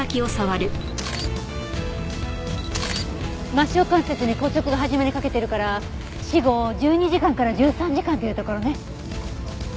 末梢関節に硬直が始まりかけてるから死後１２時間から１３時間というところね。